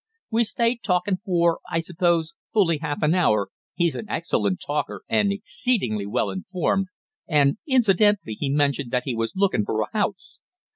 We stayed talkin' for, I suppose, fully half an hour he's an excellent talker, and exceedingly well informed and incidentally he mentioned that he was lookin' for a house.